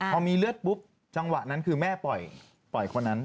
พอมีเลือดปุ๊บจังหวะนั้นคือแม่ปล่อยคนนั้น